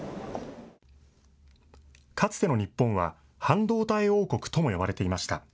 かつての日本は、半導体王国とも呼ばれていました。